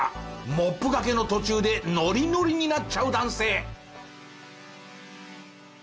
モップがけの途中でノリノリになっちゃう男性。